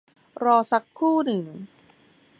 รอสักครู่หนึ่ง